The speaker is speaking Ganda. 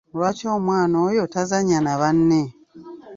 Lwaki omwana oyo tazannya na banne?